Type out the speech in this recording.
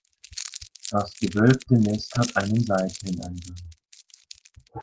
Das gewölbte Nest hat einen Seiteneingang.